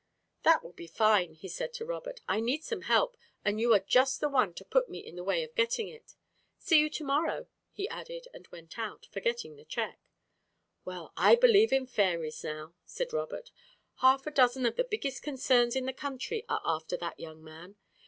"That will be fine," he said to Robert. "I need some help, and you are just the one to put me in the way of getting it. See you to morrow," he added and went out, forgetting the check. "Well, I believe in fairies now," said Robert. "Half a dozen of the biggest concerns in the country are after that young man.